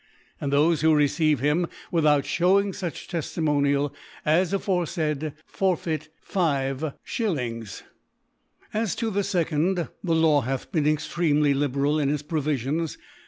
And* thofe who receive him without (hewing fuch Teftimonial as aforefaid, forfeit 5 /. As to the 2d, the Law haih been ex tremely liberal in its Provifions.